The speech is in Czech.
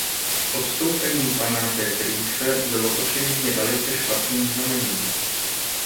Odstoupení pana de Vriese bylo očividně velice špatným znamením.